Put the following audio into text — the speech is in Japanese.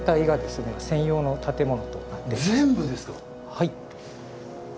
はい。